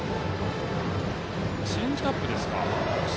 チェンジアップですか。